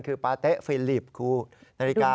คือปาเต๊ะฟิลิปคูนาฬิกา